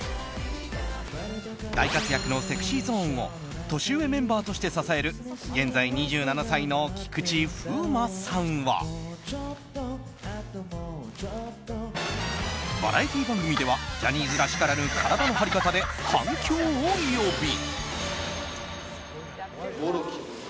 大活躍のＳｅｘｙＺｏｎｅを年上メンバーとして支える現在２７歳の菊池風磨さんはバラエティー番組ではジャニーズらしからぬ体の張り方で反響を呼び。